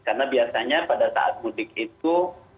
karena biasanya pada saat mudik itu